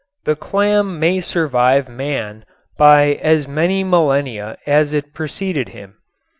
The clam may survive man by as many millennia as it preceded him.